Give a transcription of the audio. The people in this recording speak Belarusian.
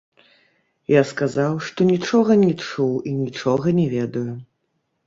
Я сказаў, што нічога не чуў і нічога не ведаю.